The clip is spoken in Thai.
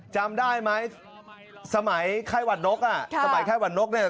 จำได้ไหมสมัยไข้หวัดนกอ่ะสมัยไข้หวัดนกเนี่ย